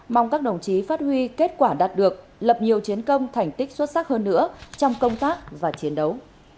mong các đồng chí phát huy kết quả đạt được lập nhiều chiến công thành tích xuất sắc hơn nữa trong công tác và chiến đấu